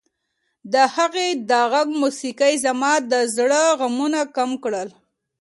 د هغې د غږ موسیقۍ زما د زړه غمونه کم کړل.